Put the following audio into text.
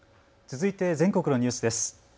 続いて全国のニュースです。